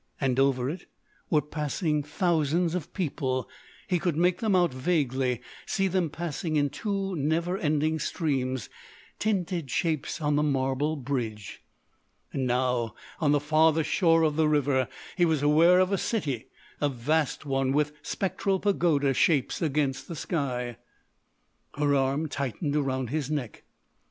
And over it were passing thousands of people—he could make them out vaguely—see them passing in two never ending streams—tinted shapes on the marble bridge. And now, on the farther shore of the river, he was aware of a city—a vast one, with spectral pagoda shapes against the sky—— Her arm tightened around his neck.